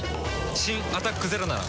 新「アタックＺＥＲＯ」なら。